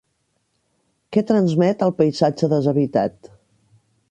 Què transmet el paisatge deshabitat?